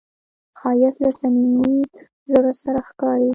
ښایست له صمیمي زړه سره ښکاري